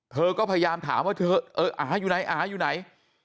เธอก็พยายามถามว่าเธออาอยู่ไหนอาอยู่ไหน